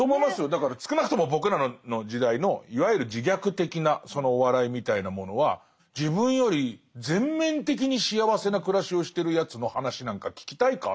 だから少なくとも僕らの時代のいわゆる自虐的なお笑いみたいなものは自分より全面的に幸せな暮らしをしてるやつの話なんか聞きたいか？